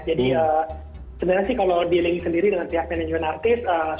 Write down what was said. jadi sebenarnya sih kalau diilingi sendiri dengan pihak manajemen artis